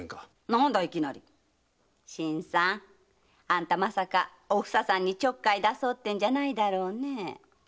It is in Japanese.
何だいいきなり新さんあんたまさかおふささんにちょっかい出そうってんじゃないだろうね？